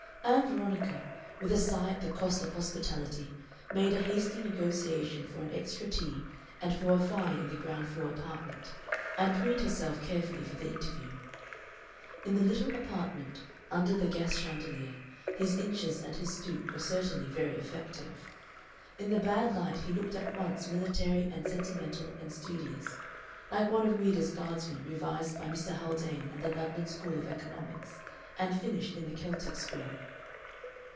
Ann Veronica, with a sigh at the cost of hospitality, made a hasty negotiation for an extra tea and for a fire in the ground floor apartment, and preened herself carefully for the interview. In the little apartment, under the gas chandelier, his inches and his stoop were certainly very effective. In the bad light he looked at once military and sentimental and studious, like one of Ouida's guardsmen revised by Mr. Haldane and the London School of Economics and finished in the Keltic school.